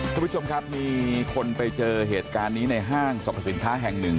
คุณผู้ชมครับมีคนไปเจอเหตุการณ์นี้ในห้างสรรพสินค้าแห่งหนึ่ง